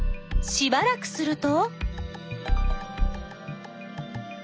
しばらくすると。